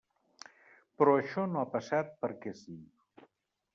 Però això no ha passat perquè sí.